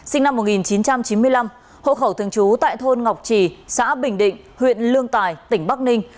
sinh năm một nghìn chín trăm chín mươi năm hộ khẩu thường trú tại thôn ngọc trì xã bình định huyện lương tài tỉnh bắc ninh